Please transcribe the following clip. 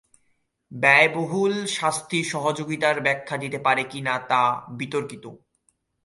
ব্যয়বহুল শাস্তি সহযোগিতার ব্যাখ্যা দিতে পারে কিনা তা বিতর্কিত।